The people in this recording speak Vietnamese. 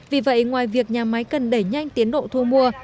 vì vậy ngoài việc nhà máy cần đẩy nhanh tiến độ thu mua